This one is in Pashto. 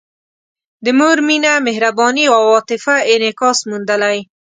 د مور مینه، مهرباني او عاطفه انعکاس موندلی.